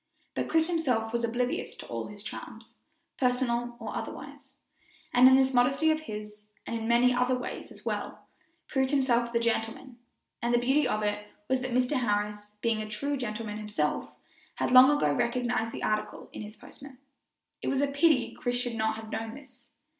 But Chris himself was oblivious to all his charms, personal or otherwise, and in this modesty of his, and in many other ways as well, proved himself the gentleman; and the beauty of it was that Mr. Harris, being a true gentleman himself, had long ago recognized the article in his postman. It was a pity Chris should not have known this.